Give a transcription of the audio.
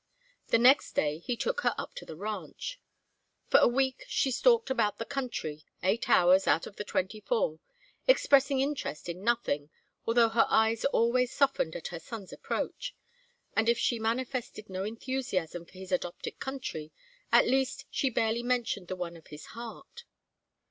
The next day he took her up to the ranch. For a week she stalked about the country, eight hours out of the twenty four, expressing interest in nothing, although her eyes always softened at her son's approach; and if she manifested no enthusiasm for his adopted country, at least she barely mentioned the one of his heart.